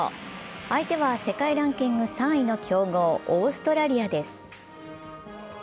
相手は世界ランキング３位の強豪、オーストラリアです。